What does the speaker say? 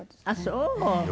あっそう。